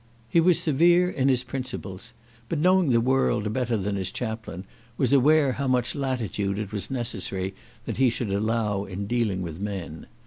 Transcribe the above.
He was severe in his principles; but, knowing the world better than his chaplain, was aware how much latitude it was necessary that he should allow in dealing with men.